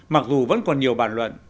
mặc dù vẫn còn nhiều bàn luận